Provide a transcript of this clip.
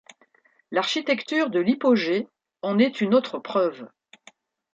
L'architecture de l'hypogée en est une autre preuve.